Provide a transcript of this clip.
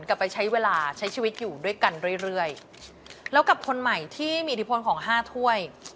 กลับไปใช้เวลาใช้ชีวิตอยู่ด้วยกันเรื่อยเรื่อยแล้วกับคนใหม่ที่มีอิทธิพลของห้าถ้วย